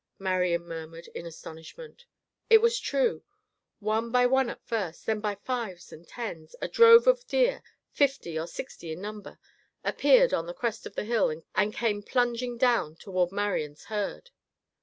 Marian murmured in astonishment. It was true. One by one at first, then by fives and tens, a drove of deer, fifty or sixty in number, appeared on the crest of the hill and came plunging down toward Marian's herd.